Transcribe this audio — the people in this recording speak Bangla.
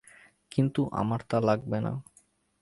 কিন্তু আমার তা লাগবে না।